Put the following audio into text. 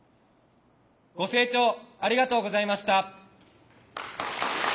ご清聴ありがとうございました。